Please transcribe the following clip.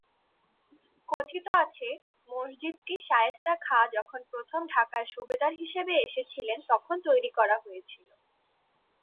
কথিত আছে মসজিদটি শায়েস্তা খাঁ যখন প্রথম ঢাকায় সুবেদার হিসেবে এসেছিলেন তখন তৈরি করা হয়েছিল।